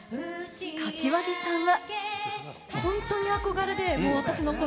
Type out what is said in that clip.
柏木さんは。